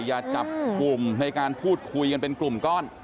อย่าจับกลุ่มในการพูดคุยกันเป็นกลุ่มก้อน